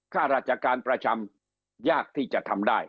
ข้าราชการประจำยากที่จะทำได้